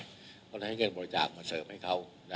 เพราะฉะนั้นเงินบริจาคมาเสิร์ฟให้เขา